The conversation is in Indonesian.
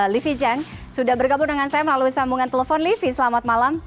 livi jang sudah bergabung dengan saya melalui sambungan telepon livi selamat malam